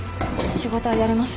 仕事はやれます。